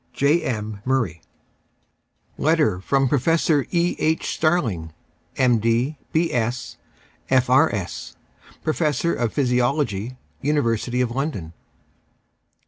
J. M. MURRAY. Letter' from Professor E. H. Starling, M.D., B.S., F.R.S., Processor o^ Physiology, University of London.